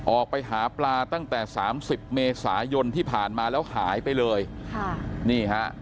ออกไปหาปลาตั้งแต่สามสิบเมษายนที่ผ่านมาแล้วหายไปเลยค่ะนี่ฮะ